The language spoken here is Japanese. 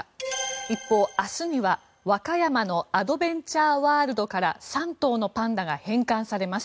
一方、明日には、和歌山のアドベンチャーワールドから３頭のパンダが返還されます。